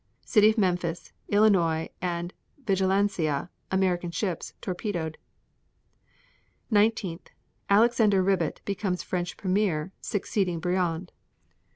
18. City of Memphis, Illinois, and Vigilancia, American ships, torpedoed. 19. Alexander Ribot becomes French premier, succeeding Briand.